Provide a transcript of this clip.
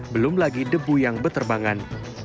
belum lagi debu yang berterbangan